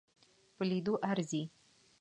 په لیدلو ارزي.